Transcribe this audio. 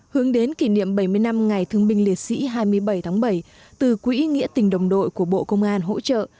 hướng đến kỷ niệm bảy mươi năm ngày thương binh liệt sĩ hai mươi bảy tháng bảy từ quỹ nghĩa tình đồng đội của bộ công an hỗ trợ